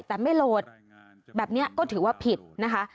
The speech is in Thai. แต่ไม่โหลดแบบนี้ก็ถือว่าผิดนะคะ